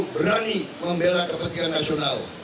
berani membela kepentingan nasional